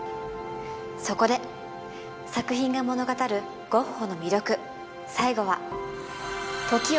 そこで作品が物語るゴッホの魅力